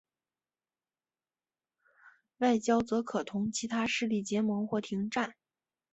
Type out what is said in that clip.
外交则可同其他势力结盟或停战。